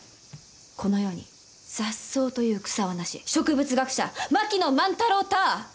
この世に、雑草という草はなし植物学者、槙野万太郎たぁ